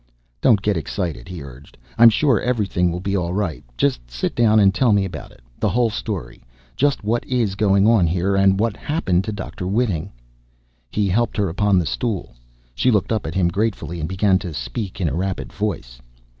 "Don't get excited," he urged. "I'm sure everything will be all right. Just sit down, and tell me about it. The whole story. Just what is going on here, and what happened to Dr. Whiting." He helped her upon the stool. She looked up at him gratefully, and began to speak in a rapid voice.